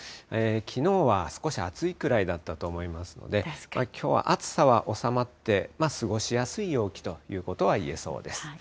きのうは少し暑いくらいだったと思いますので、きょうは暑さは収まって、過ごしやすい陽気ということはいえそうです。